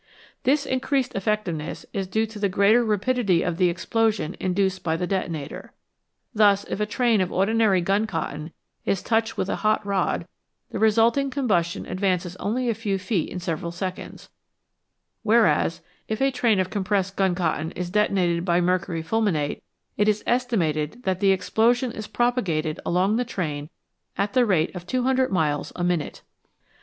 This increased effectiveness is due to the greater rapidity of the explosion induced by the detonator. Thus if a train of ordinary gun cotton is touched with a hot rod the resulting combustion advances only a few feet in several seconds, whereas if a train of compressed gun cotton is detonated by mercury fulminate it is estimated that the explosion is propagated along the train at the rate of 200 miles a minute.